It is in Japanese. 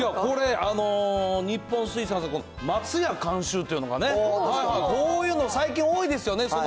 これ、日本水産さんの松屋監修っていうのがね、こういうの最近、多いですよね。